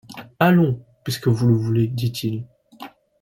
Allons… puisque vous le voulez, dit-il